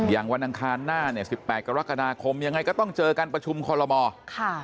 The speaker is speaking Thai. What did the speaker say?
อย่างวันอังคารหน้า๑๘กรกฎาคมยังไงก็ต้องเจอกันประชุมคอลโลมอศ์